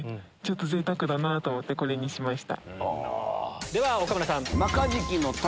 贅沢だなぁと思ってこれにしました。